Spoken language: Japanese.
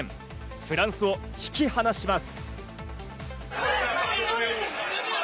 フランスを引き離します。